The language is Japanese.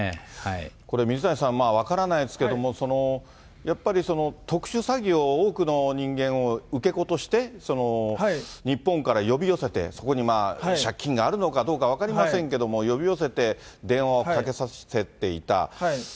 水谷さん、分からないですけども、やっぱり特殊詐欺を多くの人間を受け子として、日本から呼び寄せて、そこに借金があるのかどうか分かりませんけども、呼び寄せて、電話をかけさせていた。